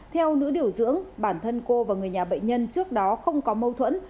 theo nữ điều dưỡng bản thân cô và người nhà bệnh nhân trước đó không có mâu thuẫn